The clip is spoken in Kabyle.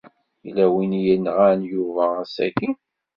Yella win i yenɣan Yuba ass-aki.